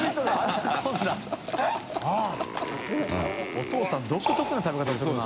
お父さん独特な食べ方するな。